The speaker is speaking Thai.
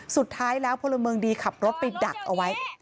สุดท้ายแล้วพลเมืองดีขับรถไปดักเอาไว้